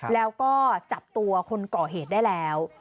แล้วก็จับตัวคนก่อเหตุได้แล้ว